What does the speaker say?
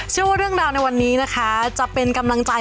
เรื่องราวในวันนี้นะคะจะเป็นกำลังใจ